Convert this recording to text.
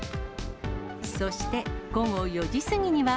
そして午後４時過ぎには。